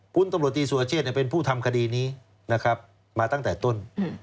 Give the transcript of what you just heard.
พลตำรวจตีสุรเชษเป็นผู้ทำคดีนี้นะครับมาตั้งแต่ต้น